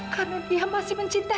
karena dia masih mencintai kamu